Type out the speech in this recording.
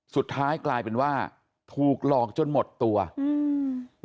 สุดท้ายกลายเป็นว่าถูกหลอกจนหมดตัวอืม